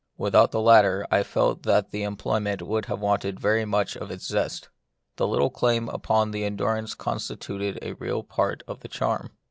Without the latter, I felt that the employ ment would have wanted very much of its zest. The little claim upon the endurance constituted a real part of the charm.